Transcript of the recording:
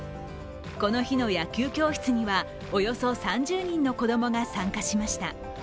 この日の野球教室には、およそ３０人の子供が参加しました。